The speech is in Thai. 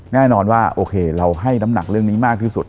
แน่นอนว่าโอเคเราให้น้ำหนักเรื่องนี้มากที่สุด